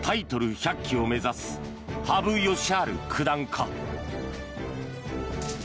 １００期を目指す羽生善治九段か。